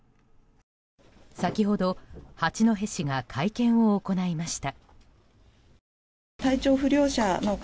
先ほど、八戸市が会見を行いました。